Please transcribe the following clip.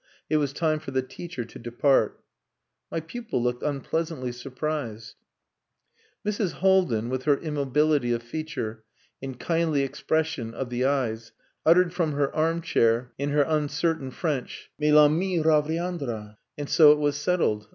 It was time for the teacher to depart. My pupil looked unpleasantly surprised. Mrs. Haldin, with her immobility of feature and kindly expression of the eyes, uttered from her armchair in her uncertain French, "Mais l'ami reviendra." And so it was settled.